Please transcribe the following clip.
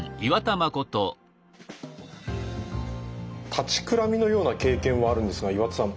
立ちくらみのような経験はあるんですが岩田さん